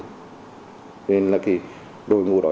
nên là cái đội ngũ đó